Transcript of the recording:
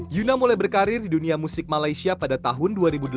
zuna mulai berkarir di dunia musik malaysia pada tahun dua ribu delapan